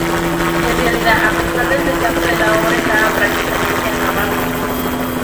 En realidad, a pesar del desastre, la obra estaba prácticamente acabada.